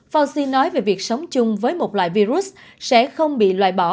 fauci nói về việc sống chung với một loại virus sẽ không bị loại bỏ